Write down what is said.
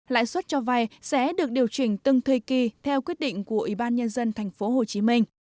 lãi suất cho vay sẽ được điều chỉnh từng thời kỳ theo quyết định của ủy ban nhân dân thành phố hồ chí minh